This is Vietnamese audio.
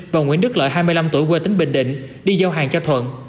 và nguyễn đức lợi hai mươi năm tuổi quê tỉnh bình định đi giao hàng cho thuận